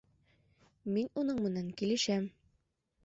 Мин уның менән килешәм